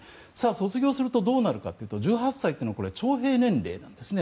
卒業するとどうなるかというと１８歳は徴兵年齢なんですね。